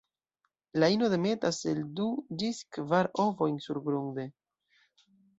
La ino demetas el du ĝis kvar ovojn surgrunde.